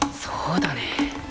そうだね。